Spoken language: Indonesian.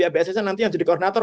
bssn nanti yang jadi koordinator